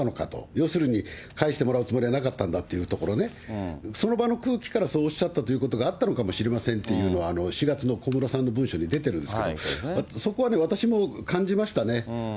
要するに、返してもらうつもりはなかったんだというところね、その場の空気からそうおっしゃったということがあったのかもしれませんっていうのは、４月の小室さんの文書に出ているんですけれども、そこは私も感じましたね。